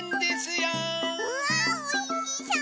うわおいしそう！